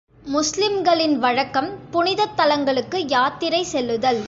முஸ்லிம்களின் வழக்கம் புனிதத் தலங்களுக்கு யாத்திரை செல்லுதல்.